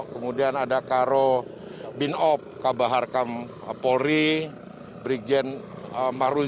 kemudian ada karo binob kabah harkam polri brigjen maruzi